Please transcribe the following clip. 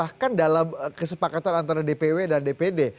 bahkan dalam kesepakatan antara dpw dan dpd